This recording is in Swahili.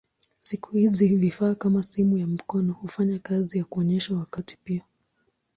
Siku hizi vifaa kama simu ya mkononi hufanya kazi ya kuonyesha wakati pia.